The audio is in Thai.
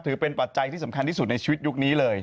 ปัจจัยที่สำคัญที่สุดในชีวิตยุคนี้เลย